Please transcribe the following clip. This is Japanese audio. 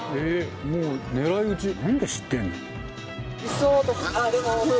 もう狙い撃ち何で知ってんの？